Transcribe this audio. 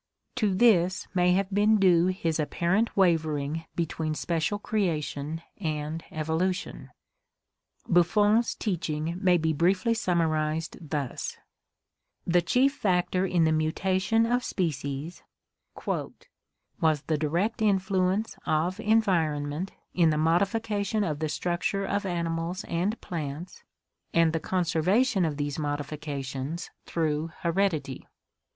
To this may have been due his apparent wavering between Special Creation and Evolution. Buffon's teaching may be briefly summarized thus: The chief factor in the mutation of species was "the direct influence of en vironment in the modification of the structure of animals and plants and the conservation of these modifications through heredity."